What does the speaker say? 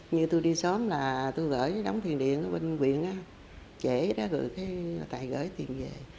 như tôi đi sớm là tôi gửi đóng thiền điện ở bên huyện á trễ đó rồi cái tài gửi tiền về